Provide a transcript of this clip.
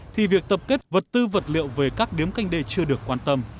thì việc tập kết vật tư vật liệu về các điếm canh đê chưa được quan tâm